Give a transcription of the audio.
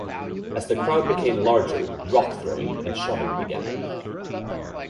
As the crowd became larger, rock throwing and shoving began.